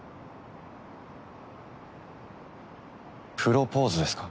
プロポーズですか？